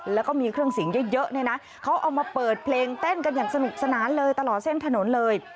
แล้วก็มีเครื่องเสียงเยอะเนี่ยนะเขาเอามาเปิดเพลงเต้นกันอย่างสนุกสนานเลยตลอดเส้นถนนเลย